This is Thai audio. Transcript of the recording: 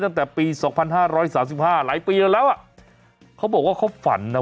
ตั้งแต่ปีสองพันห้าร้อยสามสิบห้าหลายปีแล้วแล้วอ่ะเขาบอกว่าเขาฝันนะ